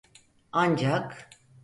Ancak...